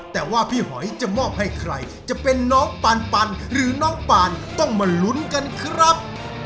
แต่ว่าพี่หอยจะมอบให้ใครจะเป็นน้องปานปันหรือน้องปานต้องมาลุ้นกันครับ